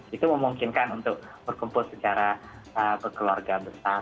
itu memungkinkan untuk berkumpul secara berkeluarga besar